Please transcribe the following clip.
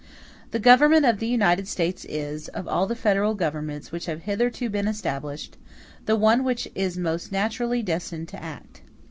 The Government of the United States is, of all the federal governments which have hitherto been established, the one which is most naturally destined to act.